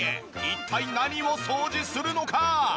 一体何を掃除するのか？